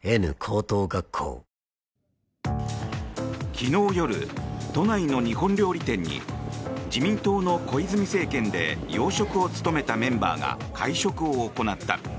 昨日夜、都内の日本料理店に自民党の小泉政権で要職を務めたメンバーが会食を行った。